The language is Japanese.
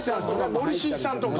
森進一さんとか。